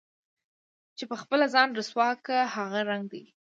چې په خپله ځان رسوا كا هغه رنګ دے